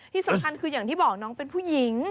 ที่สำคัญคืออย่างที่บอกน้องเป็นผู้หญิง